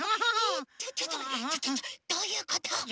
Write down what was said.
ちょっとどういうこと？